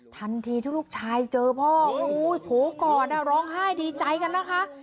ทันทีที่ลูกชายเจอพ่อโอ้โหโผล่กอดร้องไห้ดีใจกันนะคะ